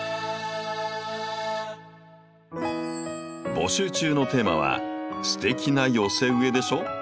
募集中のテーマは「ステキな寄せ植えでしょ！」。